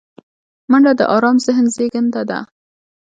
منډه د آرام ذهن زیږنده ده